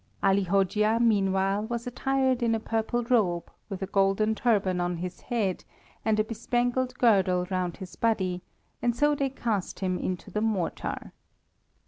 Ali Hojia, meanwhile, was attired in a purple robe, with a golden turban on his head, and a bespangled girdle round his body, and so they cast him into the mortar.